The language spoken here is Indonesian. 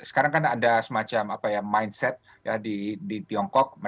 sekarang kan ada semacam apa ya mindset ya di tiongkok